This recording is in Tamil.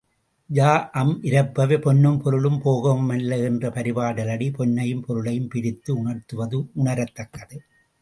யாஅம் இரப்பவை பொன்னும் பொருளும் போகமும் அல்ல என்ற பரிபாடல் அடி பொன்னையும் பொருளையும் பிரித்து உணர்த்துவது உணரத்தக்கது.